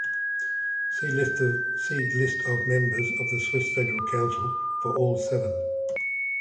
See list of members of the Swiss Federal Council for all seven.